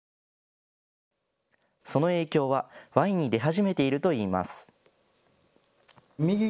その影響はワインに出始めているといいます。